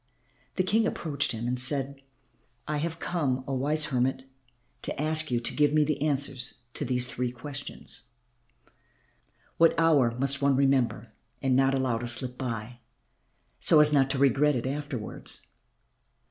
The King approached him and said, "I have come, oh, wise hermit, to ask you to give me the answers to these three questions what hour must one remember and not allow to slip by, so as not to regret it afterwards?